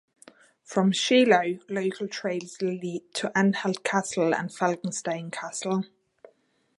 From Schielo, local trails lead to Anhalt Castle and Falkenstein Castle.